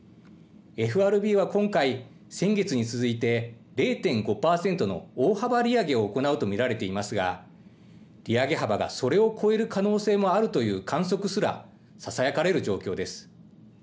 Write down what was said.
ＦＲＢは今回、先月に続いて、０．５％の大幅利上げを行うと見られていますが、利上げ幅がそれを超える可能性もあるという観測すらささやかれる状況です。